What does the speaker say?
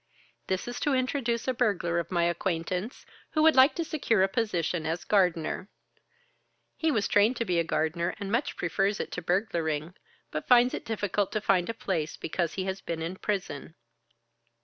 This is to introduce a burglar of my acquaintance who would like to secure a position as gardener. He was trained to be a gardener and much prefers it to burglaring, but finds it difficult to find a place because he has been in prison.